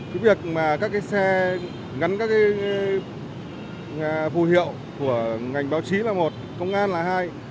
cái việc mà các cái xe gắn các cái phù hiệu của ngành báo chí là một công an là hai